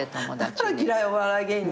だから嫌いお笑い芸人。